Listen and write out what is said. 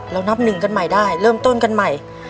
นับหนึ่งกันใหม่ได้เริ่มต้นกันใหม่